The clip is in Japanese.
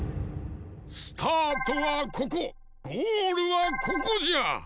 スタートはここゴールはここじゃ！